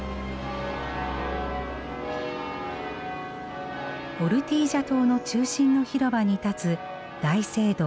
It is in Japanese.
オルティージャ島の中心の広場に立つ大聖堂ドゥオーモ。